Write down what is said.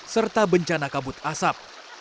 serta bencana kabut asap